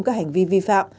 các hành vi vi phạm